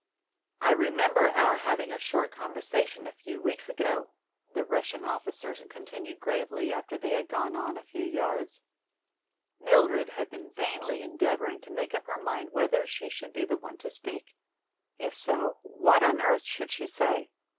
"I remember our having a short conversation a few weeks ago," the Russian officer continued gravely, after they had gone on a few yards. Mildred had been vainly endeavoring to make up her mind whether she should be the one to speak. If so, what on earth should she say?